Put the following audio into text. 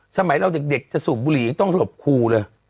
สมัยเราเด็กจะสูบบุหรี่ต้องหลบครูเลย